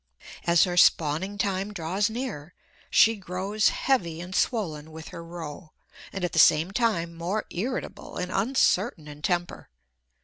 As her spawning time draws near, she grows heavy and swollen with her roe, and at the same time more irritable and uncertain in temper.